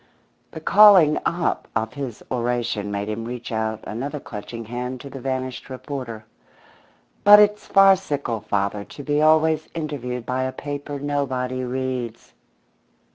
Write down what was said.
The calling up of his oration made him reach out another clutching hand to the vanished reporter. "But it's farcical, father, to be always interviewed by a paper nobody reads."